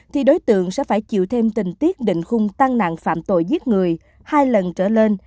thì đối tượng sẽ phải chịu thêm tình tiết định khung tăng nạn phạm tội giết người hai lần trở lên